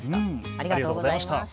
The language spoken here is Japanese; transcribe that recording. ありがとうございます。